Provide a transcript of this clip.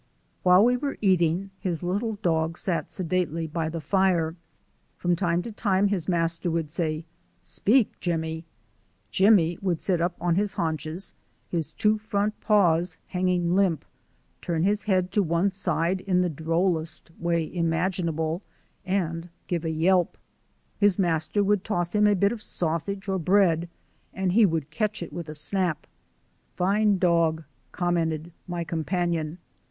While we were eating, the little dog sat sedately by the fire. From time to time his master would say, "Speak, Jimmy." Jimmy would sit up on his haunches, his two front paws hanging limp, turn his head to one side in the drollest way imaginable and give a yelp. His master would toss him a bit of sausage or bread and he would catch it with a snap. "Fine dog!" commented my companion.